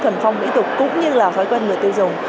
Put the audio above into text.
cũng như là khói quen người tiêu dùng